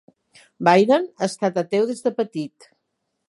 Byron ha estat ateu des de petit.